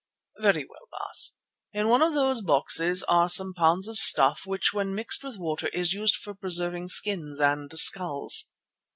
"Very well, Baas. In one of those boxes are some pounds of stuff which, when mixed with water, is used for preserving skins and skulls."